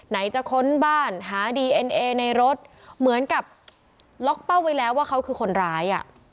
จะค้นบ้านหาดีเอ็นเอในรถเหมือนกับล็อกเป้าไว้แล้วว่าเขาคือคนร้าย